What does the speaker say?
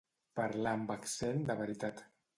Parlar amb accent de veritat.